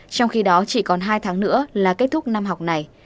trong khi đó chỉ còn hai tháng nữa là kết thúc năm học này